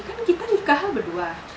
kan kita nikah berdua